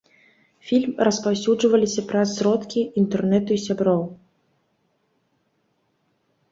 Фільм распаўсюджваліся праз сродкі інтэрнэту і сяброў.